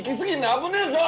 危ねえぞ！